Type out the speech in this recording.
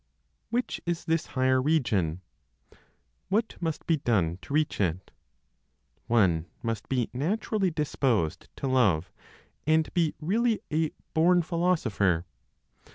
Which is this higher region? What must be done to reach it? One must be naturally disposed to love, and be really a born philosopher.